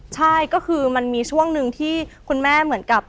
ใช่ก็คือมันมีช่วงหนึ่งที่คุณแม่เหมือนกับ